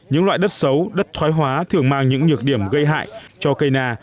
những loại đất xấu đất thoái hóa thường mang những nhược điểm gây hại cho cây na